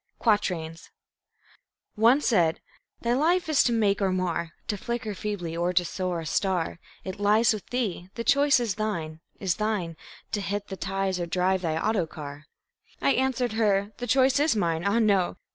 Quatrains One said: Thy life is thine to make or mar, To flicker feebly, or to soar, a star; It lies with thee the choice is thine, is thine, To hit the ties or drive thy auto car. I answered Her: The choice is mine ah, no!